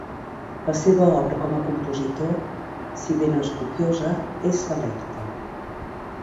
La seva obra com a compositor, si bé no és copiosa, és selecta.